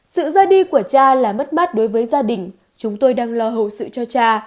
sự ra đi của cha là mất mát đối với gia đình chúng tôi đang lo hậu sự cho cha